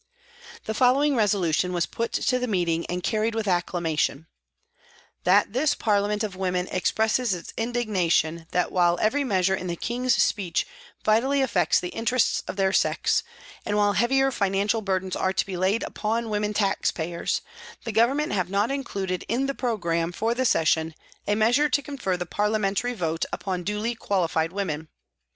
The following resolution was put to the meeting and carried with acclamation :" That this Parlia ment of women expresses its indignation that while every measure in the King's Speech vitally affects the interests of their sex, and while heavier financial burdens are to be laid upon woman tax payers, the Government have not included in the programme for the session a measure to confer the Parliamentary vote upon duly qualified women.